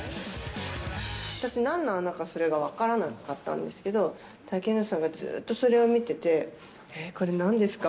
私、なんの穴か、それが分からなかったんですけど、竹野内さんがずーっとそれを見てて、えー、これなんですか？